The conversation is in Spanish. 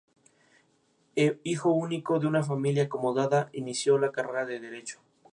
Hijo único de una familia acomodada, inició la carrera de Derecho.